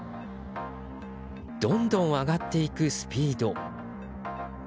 どんどん上がっていくスピード。